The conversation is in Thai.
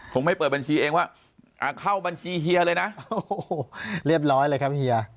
ผมไม่เปิดบัญชีเองว่าเข้าบัญชีเฮียเลยนะโอ้โหเรียบร้อยเลยครับเฮีย